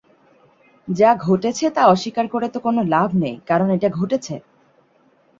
যা ঘটেছে তা অস্বীকার করে তো কোন লাভ নেই, কারন এটা ঘটেছে।